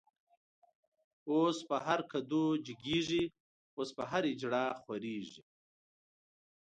اوس په هر کدو جګيږی، اوس په هر” اجړا” خوريږی